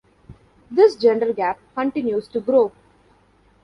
This gender gap continues to grow.